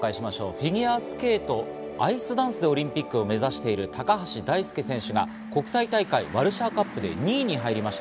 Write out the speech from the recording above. フィギュアスケート・アイスダンスでオリンピックを目指している高橋大輔選手が国際大会、ワルシャワカップで２位に入りました。